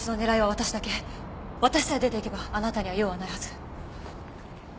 私さえ出ていけばあなたには用はないはず。